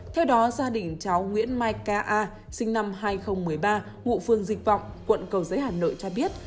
theo đó gia đình cháu nguyễn mai k a sinh năm hai nghìn một mươi ba ngụ phương dịch vọng quận cầu giấy hà nội cho biết